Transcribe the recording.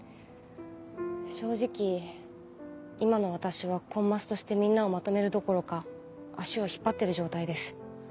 正直今の私はコンマスとしてみんなをまとめるどころか足を引っ張ってる状態です。